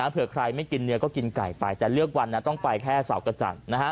เผื่อใครไม่กินเนื้อก็กินไก่ไปแต่เลือกวันต้องไปแค่เสากระจ่าง